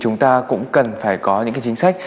chúng ta cũng cần phải có những chính sách